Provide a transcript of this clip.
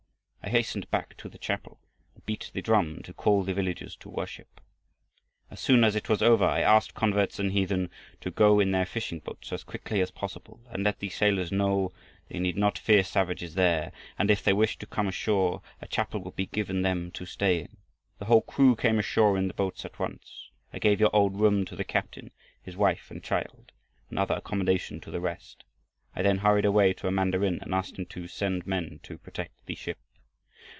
I hastened back to the chapel and beat the drum to call the villagers to worship. As soon as it was over I asked converts and heathen to go in their fishing boats as quickly as possible and let the sailors know they need not fear savages there, and if they wished to come ashore a chapel would be given them to stay in. The whole crew came ashore in the boats at once. I gave your old room to the captain, his wife and child, and other accommodation to the rest. I then hurried away to a mandarin and asked him to send men to protect the ship."